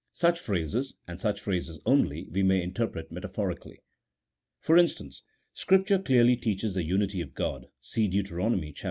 Such phrases, and such phrases only, we may interpret metaphorically. For instance, Scripture clearly teaches the unity of GTod (see Deut.